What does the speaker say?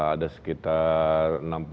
ada sekitar enam puluh